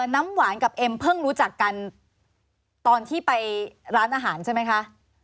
น้ำหวานกับเอ็มเพิ่งรู้จักกันตอนที่ไปร้านอาหารใช่ไหมคะ